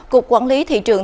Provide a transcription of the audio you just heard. cục quản lý thị trưởng